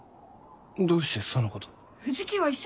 どうしてそのことを。